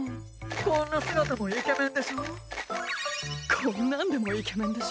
こんな姿もイケメンでしょ？